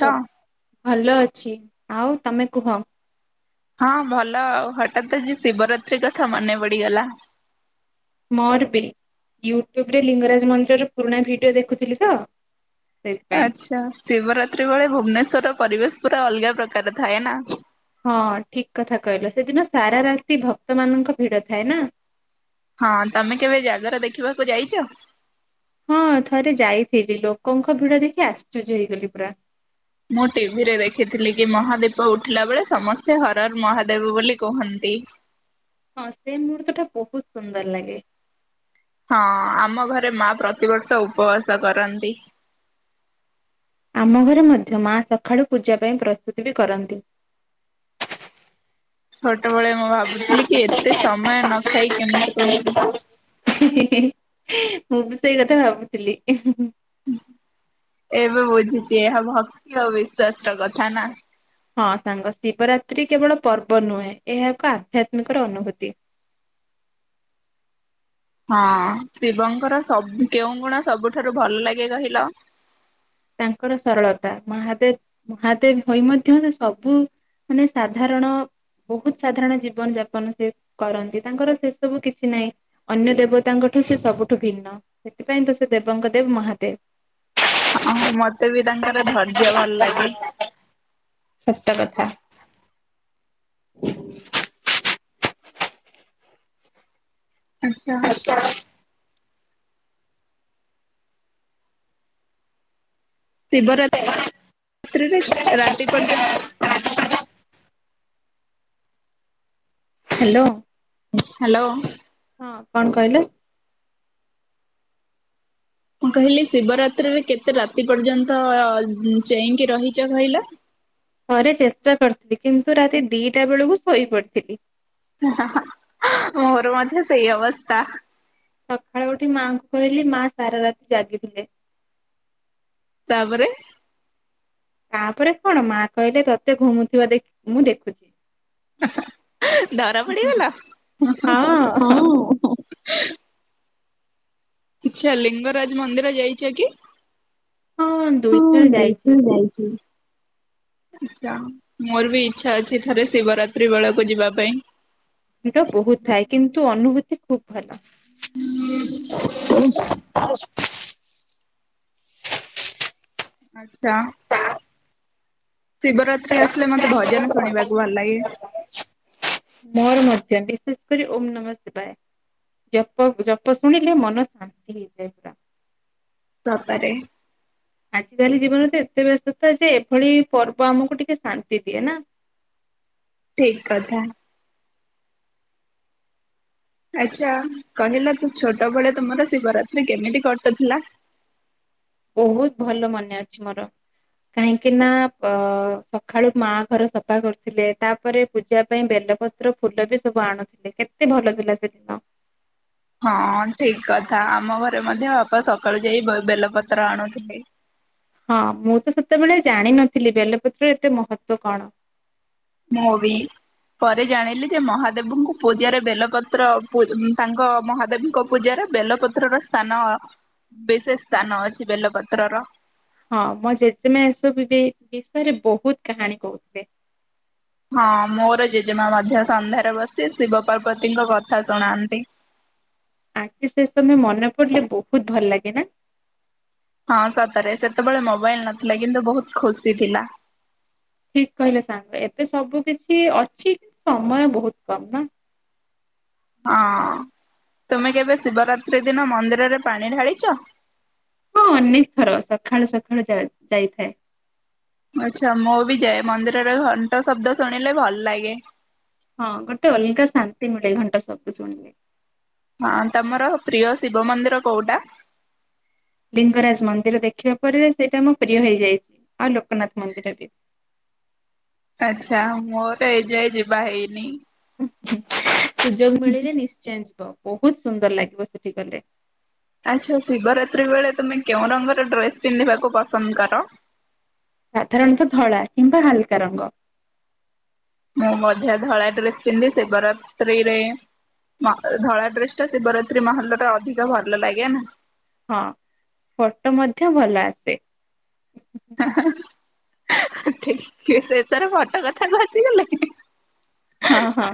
ଟ ଭଲ ଅଛି ଆଉ ତମେ କୁହ? ହଁ ଭଲ ଆଉ ହଠାତ ଆଜି ଶିବରାତ୍ରି କଥା ମନେ ପଡ଼ିଗଲା। ମୋରବି ୟୁଟ୍ୟୁବରେ ଲିଙ୍ଗରାଜ ମନ୍ଦିରର ପୁରୁଣା ଭିଡିଓ ଦେଖୁଥିଲିତ। ଆଚ୍ଛା ଶିବରାତ୍ରି ବେଳେ ଭୁବନେଶ୍ଵର ପରିବେଶ ପୁରା ଅଲଗା ପ୍ରକାର ଥାଏନା। ହଁ ଠିକ୍ କଥା କହିଲ ସେଦିନ ସାରା ରାତି ଭକ୍ତମାନଙ୍କ ଭିଡ଼ ଥାଏନା। ହଁ ତମେ କେବେ ଜାଗରେ ଦେଖିବାକୁ ଯାଇଚ? ହଁ ଥରେ ଯାଇଥିଲି ଲୋକଙ୍କ ଭିଡ଼ ଦେଖି ଆଶ୍ଚର୍ଯ୍ୟ ହେଇଗଲି ପୁରା। ମୁଁ ଟିଭିରେ ଦେଖିଥିଲିକି ମହାଦୀପ ଉଠିଲା ବେଳେ ସମସ୍ତେ ହର ହର ମହାଦେବ ବୋଲି କୁହନ୍ତି। ହଁ ସେଇ ମୁହୂର୍ତ୍ତଟା ବହୁତ୍ ସୁନ୍ଦର ଲାଗେ। ହଁ ଆମ ଘରେ ମା ପ୍ରତିବର୍ଷ ଉପବାସ କରନ୍ତି। ଆମ ଘରେ ମଧ୍ୟ ମା ସକାଳୁ ପୂଜା ପାଇଁ ପ୍ରସ୍ତୁତିବି କରନ୍ତି। [inaudible] ଛୋଟବେେଳେ ମୁଁ ଭାବୁଥିଲିକି ଏତେ ସମୟ ନଖାଇ କେମିତି ରୁହ ହୁ ହୁ ମୁଁ ବି ସେଇ କଥା ଭାବୁଥିଲି। ଏବେ ବୁଝୁଚି ଏହା ଭକ୍ତି ଆଉ ବିଶ୍ଵାସର କଥାନା। ହଁ ସାଙ୍ଗ ଶିବରାତ୍ରି କେବଳ ପର୍ବ ନୁହେଁ ଏହା ଏକ ଆଧ୍ୟାତ୍ମିକର ଅନୁଭୂତି। ହଁ ଶିବଙ୍କର ସ କେଉଁ ଗୁଣ ସବୁଠାରୁ ଭଲ ଲାଗେ କହିଲ? ତାଙ୍କର ସରଳତା ମହାଦେବ ମହାଦେବ ହୋଇ ମଧ୍ୟ ସେସବୁ ମାନେ ସାଧାରଣ ବହୁତ୍ ସାଧାରଣ ଜୀବନ ଯାପନ ସେକରନ୍ତି ତାଙ୍କର ସେ ସବୁ କିଛି ନାହିଁ। ଅନ୍ୟ ଦେବତାଙ୍କଠୁ ସେ ସବୁଠୁ ଭିନ୍ନ ସେଥିପାଇଁତ ସେ ଦେବଙ୍କ ଦେବ ମହାଦେବ। ହଁ ମତେବି ତାଙ୍କର ଧର୍ଯ୍ୟ ଭଲ ଲାଗେ। ସତ କଥା। [inaudible] ଆଚ୍ଛା। ଶିବରା ତ୍ରିରେ ବି ରାତି ପର୍ଯ୍ୟନ୍ ହ୍ୟାଲୋ। ହ୍ୟାଲୋ। ହଁ କଣ କଇଲେ? ମୁଁ କହିଲି ଶିବରାତ୍ରିରେ କେତେ ରାତି ପର୍ଯ୍ୟନ୍ତ ଉଁ ଚେଇଁକି ରହିଚ କହିଲ। ଥରେ ଚେଷ୍ଟା କରିଥିଲି କିନ୍ତୁ ରାତି ଦିଟା ବେଳୁକୁ ଶୋଇ ପଡିଥିଲି। ହି ହା ହା ମୋର ମଧ୍ୟ ସେଇ ଅବସ୍ତା। ସଖାଳୁ ଉଠି ମାଙ୍କୁ କହିଲି ମା ସାରା ରାତି ଜାଗିଥିଲେ। ତାପରେ ତାପରେ କଣ ମା କହିଲେ ତତେ ଘୁମୁଥିବା ଦେଖ୍ ମୁଁ ଦେଖୁଛି। ଧରା ହୁଁ ହୁଁ ପଡିଗଲ? ହୁଁ ହଁ ଅହଁ ଅହଁ। ଆଚ୍ଛା ଲିଙ୍ଗରାଜ ମନ୍ଦିର ଯାଇଛ କି? ହଁ ମୁଁ ଦୁଇଥର ବୋହୁତ ଯାଇଛି। ଥର ଯାଇଥିଲି। ଆଛା ମୋର ବି ଇଚ୍ଛା ଅଛି ଥରେ ଶିବରାତ୍ରି ବେଳକୁ ଯିବା ପାଇଁ। ଭିଡ ବହୁତ ଥାଏ କିନ୍ତୁ ଅନୁଭୂତି ଖୁବ୍ ଭଲ। [inaudible] [inaudible] ଆଚ୍ଛା। [inaudible] ଶିବରାତ୍ରି ଆସିଲେ ମତେ ଭଜନ ଶୁଣିବାକୁ ଭଲ ଲାଗେ। ମୋର ମଧ୍ୟ ବିଶେଷ କରି ଓମ୍ ନମଃ ଶିବାୟେ। ଜପକୁ ଜପ ଶୁଣିଲେ ମନ ଶାନ୍ତି ହେଇଯାଏ ପୁରା। ବାପାରେ। ଆଜିକାଲି ଜୀବନରେ ତ ଏତେ ବ୍ୟସ୍ତତା ଯେ ଏଭଳି ପର୍ବ ଆମକୁ ଟିକେ ଶାନ୍ତି ଦିଏ ନା। ଠିକ୍ କଥା। ଆଚ୍ଛା କହିଲ କି ଛୋଟବେଳେ ତୁମର ଶିବରାତ୍ରି କେମିତି କଟୁଥିଲା? ବୋହୁତ ଭଲ ମନେ ଅଛି ମୋର। କାହିଁକି ନା ପ ସଖାଳୁ ମା ଘର ସପା କରୁଥିଲେ ତାପରେ ପୂଜା ପାଇଁ ବେଲପତ୍ ତ୍ର ଫୁଲ ବି ସବୁ ଆଣୁଥିଲେ କେତେ ଭଲ ଥିଲା ସେଦିନ। ହଁ ଠିକ୍ କଥା ଆମ ଘରେ ମଧ୍ୟ ଅପା ସକାଳୁ ଯାଇ ବେ ବେଲପତ୍ର ଆଣୁଥିଲେ। ହଁ ମୁଁ ତ ସେତେବେଳେ ଜାଣିନଥିଲି ବେଲପତ୍ର ଏତେ ମହତ୍ତ୍ୱ କଣ। ମୁଁ ବି। ପରେ ଜାଣିଲି ଯେ ମହାଦେବୁଙ୍କୁ ପୂଜାରେ ବେଲପତ୍ର ପୂଜ୍ ଉଁ ତାଙ୍କ ମହାଦେବଙ୍କ ପୂଜାରେ ବେଲପତ୍ରର ସ୍ତାନ ବିଶେଷ ସ୍ତାନ ଅଛି ବେଲପତ୍ରର। ହଁ ମୋ ଜେଜେମା ଏସବୁ ବି ବିଷେୟେରେ ବୋହୁତ କାହାଣୀ କହୁଥିଲେ। ହଁ ମୋର ଜେଜେମା ମଧ୍ୟ ସନ୍ଧ୍ୟାରେ ବସି ଶିବ ପାର୍ବତୀଙ୍କ କଥା ଶୁଣାନ୍ତି। ଆଜି ସେ ସମୟ ମନେ ପଡିଲେ ବୋହୁତ ଭଲ ଲାଗେ ନା। ହଁ ସତେରେ ସେତେବେଳେ ମୋବାଇଲ ନଥିଲା କିନ୍ତୁ ବୋହୁତ ଖୁସି ଥିଲା। ଠିକ୍ କହିଲେ ସାଙ୍ଗ ଏବେ ସବୁ କିଛି ଅଛି [inaudible] ସମୟ ବୋହୁତ କମ୍ ନା। ହଁ ତୁମେ କେବେ ଶିବରାତ୍ରି ଦିନ ମନ୍ଦିରରେ ପାଣି ଢାଳିଚ। ହଁ ଅନେକ ଥର ସଖାଳୁ ସଖାଳୁ ଯାଏ ଯାଇଥାଏ। ଆଚ୍ଛା ମୁଁ ବି ଯାଏ ମନ୍ଦିରରେ ଘଣ୍ଟ ଶବ୍ଦ ଶୁଣିଲେ ଭଲ ଲାଗେ। ହଁ ଗୋଟେ ଅଲଗା ଶାନ୍ତି ମିଳେ ଘଣ୍ଟ ଶବ୍ଦ ଶୁଣିଲେ। ହଁ ତମର ପ୍ରିୟ ଶିବ ମନ୍ଦିର କୋଉଟା? ଲିଙ୍ଗରାଜ ମନ୍ଦିର ଦେଖିବା ପରେ ସେଇଟା ମୋ ପ୍ରିୟ ହେଇଯାଇଚି ଆଉ ଲୋକନାଥ ମନ୍ଦିର ବି। ଆଚ୍ଛା ମୋର ଏ ଯାଏ ଯିବା ହେଇନି। [inaudible] ସୁଯୋଗ ମିଳିଲେ ନିଶ୍ଚୟ ଯିବ ବୋହୁତ ସୁନ୍ଦର ଲାଗିବ ସେଠି ଗଲେ। ଆଚ୍ଛା ଶିବରାତ୍ରି ବେଳେ ତୁମେ କେଉଁ ରଙ୍ଗର ଡ୍ରେସ୍ ପିନ୍ଧିବାକୁ ପସନ୍ଦ କର? ସାଧାରଣତଃ ଧଳା କିମ୍ବା ହାଲକା ରଙ୍ଗ। ମୁଁ ମଧ୍ୟ ଧଳା ଡ୍ରେସ ପିନ୍ଧି ଶିବରାତିରେ ମ ଧଳା ଡ୍ରେସଟା ଶିବରାତ୍ରି ମାହୋଲଟା ଅଧିକ ଭଲ ଲାଗେ ନା। ହଁ ଫଟୋ ମଧ୍ୟ ଭଲ ଆସେ। ଠିକ ଶେଷରେ ଫଟୋ କଥାକୁ ଆସିଗଲେ ହଁ ହଁ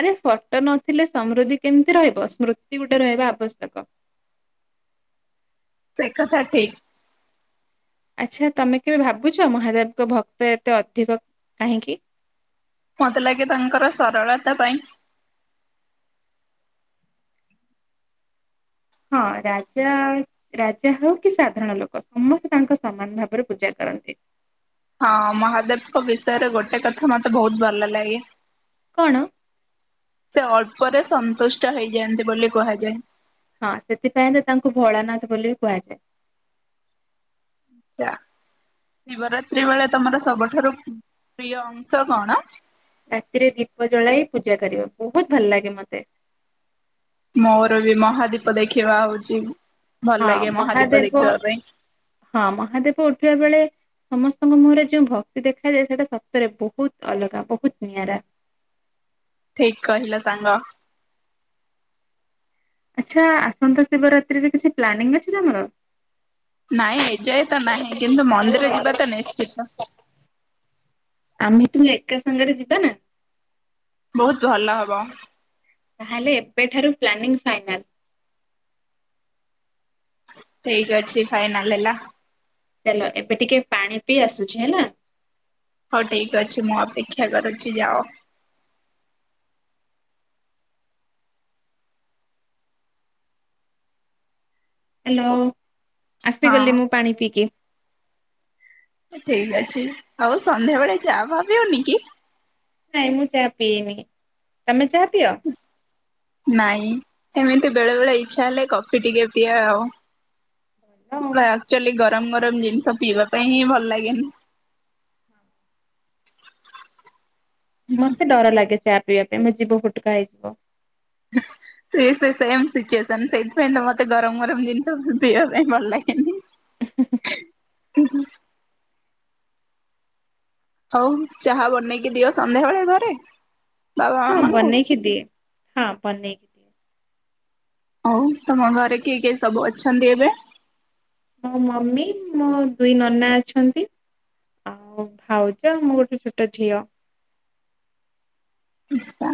ଆରେ ଫଟୋ ନଥିଲେ ସମୃଦ୍ଧି କେମିତି ରହିବ ସ୍ମୃତି ଗୋଟେ ରହିବା ଆବଶ୍ୟକ। ସେ କଥା ଠିକ୍। ଆଚ୍ଛା ତମେ କେବେ ଭାବୁଛ ମହାଦେବଙ୍କ ଭକ୍ତ ଏତେ ଅଧିକ କାହିଁକି? ମତେ ଲାଗେ ତାଙ୍କର ସରଳତା ପାଇଁ। ହଁ ରାଜା ରାଜା ହଉ କି ସାଧାରଣ ଲୋକ ସମସ୍ତେ ତାଙ୍କ ସମାନ ଭାବରେ ପୂଜା କରନ୍ତି। ହଁ ମହାଦେବଙ୍କ ବିଷୟରେ ଗୋଟେ କଥା ମତେ ବହୁତ ଭଲ ଲାଗେ। କଣ? ସେ ଅଳ୍ପରେ ସନ୍ତୁଷ୍ଟ ହେଇଯାଆନ୍ତି ବୋଲି କୁହାଯାଏ। ହଁ ସେଥିପାଇଁ ତ ତାଙ୍କୁ ଭୋଳାନାଥ ବୋଲି ବି କୁହାଯାଏ। ଆ ଶିବରାତ୍ରି ବେଳେ ତମର ସବୁଠାରୁ ପ୍ରିୟ ଅଂଶ କଣ? ରାତିରେ ଦୀପ ଜଳାଇ ପୂଜା କରିବ ବହୁତ ଭଲ ଲାଗେ ମତେ। ମୋର ବି ମହାଦୀପ ଦେଖିବା ହଉଛି ହଁ ଭଲ ଲାଗେ ମହାଦୀପ ମହାଦେବ ଦେଖିବା ପାଇଁ। ହଁ ମହାଦେବ ଉଠିବା ବେଳେ ସମସ୍ତଙ୍କ ମୁହଁରେ ଯୋଉ ଭକ୍ତି ଦେଖାଯାଏ ସେଇଟା ସତରେ ବହୁତ ଅଲଗା ବହୁତ ନିଆରା। ଠିକ୍ କହିଲ ସାଙ୍ଗ। ଆଚ୍ଛା ଆସନ୍ତା ଶିବରାତ୍ରିରେ କିଛି ପ୍ଲାନିଂ ଅଛି ତମର? ନାଇଁ ଏଯାଏ ତ ନାହିଁ କିନ୍ତୁ ମନ୍ଦିର ଯିବା ତ ନିଶ୍ଚିତ। ଆମେ ତୁମେ ଏକା ସାଙ୍ଗରେ ଯିବା ନା? ବହୁତ ଭଲ ହବ। ତାହେଲେ ଏବେଠାରୁ ପ୍ଲାନିଂ ଫାଇନାଲ। ଠିକ୍ ଅଛି ଫାଇନାଲ ହେଲା। ଚାଲ ଏବେ ଟିକେ ପାଣି ପିଇ ଆସୁଛି ହେଲା। ହଉ ଠିକ୍ ଅଛି ମୁଁ ଅପେକ୍ଷା କରୁଛି ଯାଅ। ହ୍ୟାଲୋ ଆସିଗଲି ମୁଁ ହଁ ପାଣି ପିଇକି। ଠିକ ଅଛି ଆଉ ସନ୍ଧ୍ୟାବେଳେ ଚା ଫା ପିଅନିକି? ନାଇଁ ମୁଁ ଚାହା ପିଏନି ତମେ ଚାହା ପିଅ? ନାଇଁ ଏମିତି ବେଳେ ବେଳେ ଇଚ୍ଛା ହେଲେ କଫି ଟିକେ ପିଏ ଆଉ। ଭଲ ଆକ୍ଚୁଆଲି ଗରମ ଗରମ ଜିନିଷ ପିଇବା ପାଇଁ ହିଁ ଭଲ ଲାଗେନି। ମତେ ଡର ଲାଗେ ଚାହା ପିଇବା ପାଇଁ ମୋ ଜିଭ ଫୁଟୁକା ହେଇଯିବ। ସେ ସେ ସେମ୍ ସିଚୁଏସନ ସେଇଥିପାଇଁ ତ ମତେ ଗରମ ଗରମ ଜିନିଷ ସ ପିଇବା ପାଇଁ ଭଲ ଲାଗେନି। [inaudible] ହଉ ଚାହା ବନେଇକି ଦିଅ ସନ୍ଧ୍ୟାବେଳେ ଘରେ? ବାବା ହଁ ମାମାଙ୍କୁ। ବନେଇକି ଦିଏ ହଁ ବନେଇକି ଦିଏ ହଉ ତମ ଘରେ କିଏ କିଏ ସବୁ ଅଛନ୍ତି ଏବେ? ମୋ ମମି ମୋ ଦୁଇ ନନା ଅଛନ୍ତି ଆଉ ଭାଉଜ ମୁଁ ଗୋଟେ ଛୋଟ ଝିଅ। ଆଚ୍ଛା।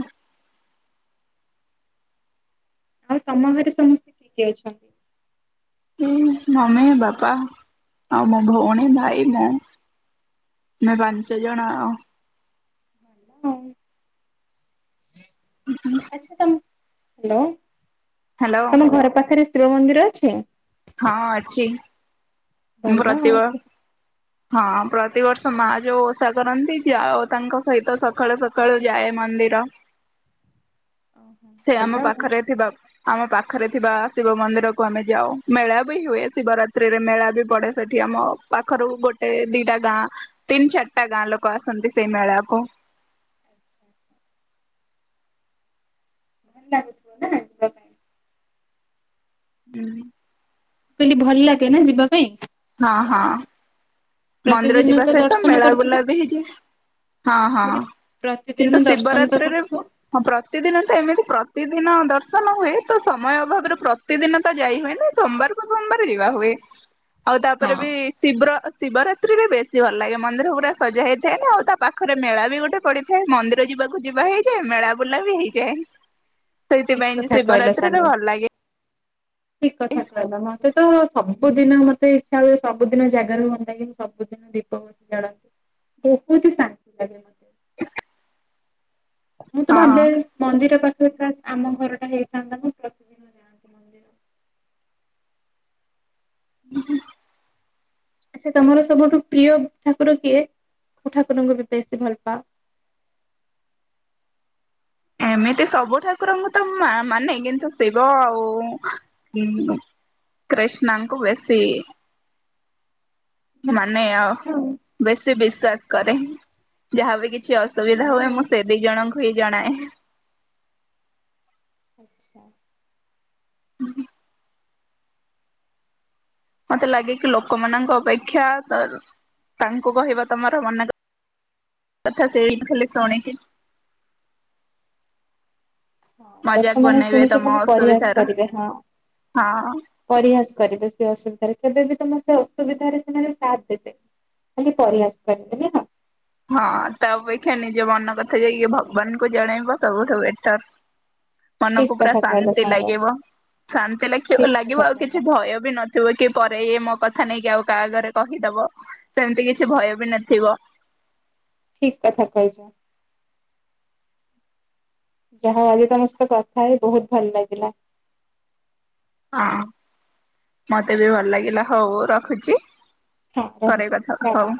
ଆଉ ତମ ଘରେ ସମସ୍ତେ କି କିଏ ଅଛନ୍ତି? ଏ ମମି, ବାପା ଆଉ ମୋ ଭଉଣୀ ଭାଇ ମୁଁ। ଆମେ ପାଞ୍ଚ ଜଣ ଆଉ। ହଁ ଆଛା ତମେ ହ୍ୟାଲୋ ହ୍ୟାଲୋ ତମ ଘର ପାଖରେ ଶିବ ମନ୍ଦିର ଅଛି? ହଁ ଅଛି ଭଲ ଆଉ। ପ୍ରତିଭ ହଁ ପ୍ରତିବର୍ଷ ମା ଯୋଉ ଓଷା କରନ୍ତି ଯାଉ ତାଙ୍କ ସହିତ ସକାଳେ ପ୍ର ସକାଳୁ ଯାଏ ମନ୍ଦିର। ଓହୋ। ସେ ଭଲ ଆମ ଆଉ ପାଖରେ ଥିବା ଆମ ପାଖରେ ଥିବା ଶିବ ମନ୍ଦିରକୁ ଆମେ ଯାଉ ମେଳା ବି ହୁଏ ଶିବରାତ୍ରିରେ ମେଳା ବି ପଡେ ସେଠି ଆମ ପାଖରୁ ଗୋଟେ ଦିଟା ଗାଁ। ତିନି ଚାରଟା ଗାଁ ଲୋକ ଆସନ୍ତି ସେଇ ମେଳାକୁ। ଆଚ୍ଛା ଆଚ୍ଛା। ଭଲ ଲାଗୁଥିବ ନା? ଯିବା ପାଇଁ। ମୁଁ ହୁଁ। କହିଲି ଭଲ ଲାଗେ ନା ଯିବା ପାଇଁ? ହଁ ହଁ ମନ୍ଦିର ପ୍ରତିଦିନ ଯିବା ତ ସହିତ ଦର୍ଶନ ମେଳା ବୁଲା କରୁଥିବ। ବି ହେଇଯାଏ। ହଁ ହଁ ମୁଁ କହିଲି ପ୍ରତିଦିନ କିନ୍ତୁ ଦର୍ଶନ ତ ଶିବରାତ୍ରିରେ କରୁଥିବ ହଁ ପ୍ରତିଦିନ ତ ଏମିତି ପ୍ରତିଦିନ ଦର୍ଶନ ହୁଏ ତ ସମୟ ଅଭାବରୁ ପ୍ର ପ୍ରତିଦିନ ତ ଯାଇ ହୁଏ ନା ସୋମବାରକୁ ସୋମବାର ଯିବା ହୁଏ ଆଉ ହଁ ତାପରେ ବି ଶିବ୍ର ଶିବରାତ୍ରିରେ ବେଶୀ ଭଲ ଲାଗେ ମନ୍ଦିର ପୁରା ସଜା ହେଇଥାଏନା ଆଉ ତା ପାଖରେ ମେଳା ବି ଗୋଟେ ପଡି ସେ ମନ୍ଦିର ଯିବାକୁ ଯିବା ହେଇଯାଏ ମେଳା ବୁଲା ବି ହେଇଯାଏ। ଠିକ୍ ସେଇଥିପାଇଁ ଯେ କଥା କହିଲ ଶିବରାତ୍ରିରେ ସାଙ୍ଗ। ଭଲ ଲାଗେ। ଠିକ କଥା କହିଲା ମତେ ତ ସବୁଦିନ ମତେ ଇଚ୍ଛା ହୁଏ ସବୁଦିନ ଜାଗର ହୁଅନ୍ତା କି ମୁଁ ସବୁଦିନ ଦୀପ ବସି ଜାଳନ୍ତି ବହୁତ ହି ଶାନ୍ତି ଲାଗେ ମ ମୁଁ ତ ଭାବେ ହଁ ମନ୍ଦିର ପାଖରେ ଖାସ୍ ଆମ ଘରଟା ହେଇଥାନ୍ତା ମୁଁ ପ୍ରତିଦିନ ଯାଆନ୍ତି ମନ୍ଦିର କୁ। ହୁଁ ହୁଁ ଆଛା ତମର ସବୁଠୁ ପ୍ରିୟ ଠାକୁର କିଏ କୋଉ ଠାକୁରଙ୍କୁ ବି ବେଶୀ ଭଲ ପାଅ। ଏମିତି ସବୁ ଠାକୁରଙ୍କୁ ତ ମା-ମାନେ କିନ୍ତୁ ଶିବ ଆଉ ହୁଁ। କ୍ରିଷ୍ଣାଙ୍କୁ ବେଶୀ। ବା ମାନେ ଆଉ ଭଲ ବେଶୀ ବିଶ୍ୱାସ କରେ। ଯାହା ବିି କିଛି ଅସୁବିଧା ଭଲ ହୁଏ ଆଉ ମୁଁ ସେ ଦି ଜଣଙ୍କୁ ହିଁ ଜଣାଏ ଆଚ୍ଛା। ହୁଁ ମତେ ଲାଗେ କି ଲୋକମାନଙ୍କ ଅପେକ୍ଷା ତାଙ୍କୁ କହିବା ତମର ମନେ କଥା ସେଇଠି ଖାଲି ଶୁଣିକି ହଁ ମଜାକ ଲୋକମାନେ ବନେଇବେ ଶୁଣିକି ତମ କାଲି ପରିହାସ ଅସୁବିଧାର କରିବେ ହଁ। ହଁ। ପରିହାସ କରିବେ ସେ ଅସୁବିଧାରେ କେବେ ବିି ତୁମ ସେ ଅସୁବିଧାରେ ସେମାନେ ସାଥ ଦେବେ ମତେ ପରିହାସ କରିବେ [unintelligible] ହଁ ତା ଅପେକ୍ଷା ନିଜ ମନ କଥା ଯାଇକି ଭଗବାନଙ୍କୁ ଜଣେଇବ ସବୁଠୁ ବେଟର। ମନକୁ ଠିକ ପୁରା କଥା କହିଲ ଶାନ୍ତି ସାଙ୍ଗ ଲାଗିବ ଶାନ୍ତି ଲେଖିବ ଠିକ ଲାଗିବ କଥା ଆଉ କିଛି କହିଲ। ଭୟ ବି ନ ଥିବ କି ପରେ ଇଏ ମୋ କଥା ନେଇକି ଆଉ କାହା ଆଗରେ କହିଦବ ସେମିତି କିଛି ଭୟ ବି ନଥିବ। ଠିକ କଥା କହିଛ। ଯାହା ଆଜି ତମ ସହିତ କଥା ହେଇ ବହୁତ ଭଲ ଲାଗିଲା। ହଁ ମତେ ବି ଭଲ ଲାଗିଲା ହଉ ରଖୁଛି। ହଁ ପରେ ରହୁଛି କଥା ଟା ହବା ଟା। ହଉ।